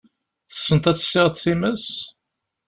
Tessneḍ ad tessiɣeḍ times?